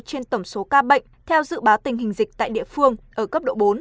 trên tổng số ca bệnh theo dự báo tình hình dịch tại địa phương ở cấp độ bốn